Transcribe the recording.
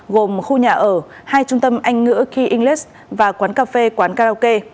gồm khu nhà ở hai trung tâm anh ngữ key english và quán cà phê quán karaoke